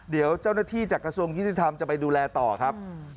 เดี๋ยวเจ้าหน้าที่จากกระทรวงยุติธรรมจะไปดูแลต่อครับ